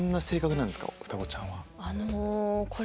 双子ちゃんは。